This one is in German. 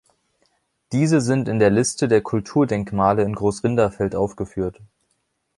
Diese sind in der Liste der Kulturdenkmale in Großrinderfeld aufgeführt.